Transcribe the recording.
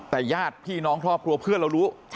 แต่ญาติพี่น้องครอบครัวเพื่อนเรารู้